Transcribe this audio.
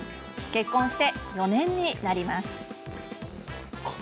結婚して、４年になります。